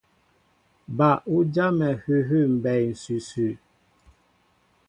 Ba' ú jámɛ hʉhʉ́ mbɛɛ ǹsʉsʉ.